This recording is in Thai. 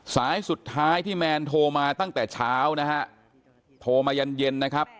สายสุดท้ายที่แมนโทรมาตั้งแต่เช้านะฮะโทรมายันเย็นนะครับ